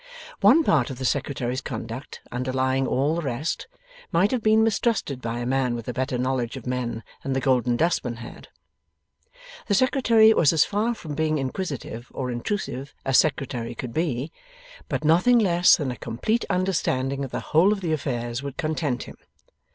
One part of the Secretary's conduct, underlying all the rest, might have been mistrusted by a man with a better knowledge of men than the Golden Dustman had. The Secretary was as far from being inquisitive or intrusive as Secretary could be, but nothing less than a complete understanding of the whole of the affairs would content him.